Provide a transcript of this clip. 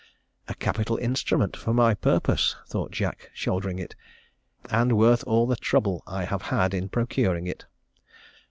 'A capital instrument for my purpose,' thought Jack, shouldering it, 'and worth all the trouble I have had in procuring it.'